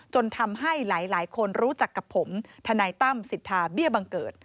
จนทำให้หลายคนรู้จักกับผมทนายตั้มสิทธาเบี้ยบังเกิด